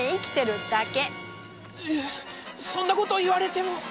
いやそんなこと言われても。